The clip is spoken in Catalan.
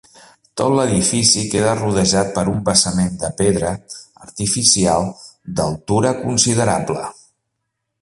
Tot l'edifici queda rodejat per un basament de pedra artificial d'altura considerable.